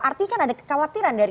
artinya kan ada kekhawatiran dari